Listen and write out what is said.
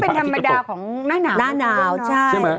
มันก็เป็นธรรมดาของหน้าหนาวหน้าหนาวใช่ไหมพระอาทิตย์ขึ้นเร็ว